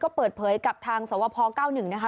ก็เปิดเผยกับทางสวพ๙๑นะคะ